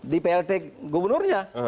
di plt gubernurnya